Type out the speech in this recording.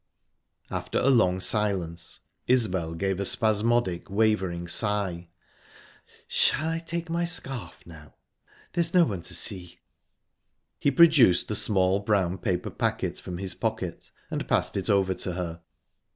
After a long silence, Isbel gave a spasmodic, wavering sigh. "Shall I take my scarf now? There's no one to see." He produced a small brown paper packet from his pocket, and passed it over to her.